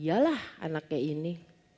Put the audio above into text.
yalah anaknya ini